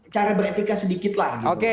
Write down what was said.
cara beretika sedikitlah